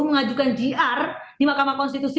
mengajukan jr di mahkamah konstitusi